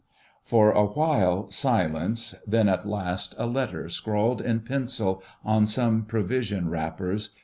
For a while silence, then at last a letter scrawled in pencil on some provision wrappers.